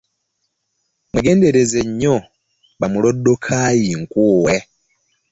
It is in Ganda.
Mwegendereze nnyo bamuloddokaayi nkuuwe